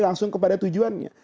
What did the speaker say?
langsung kepada tujuannya